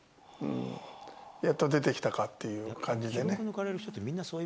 やっと出てきたかっていう感じでね。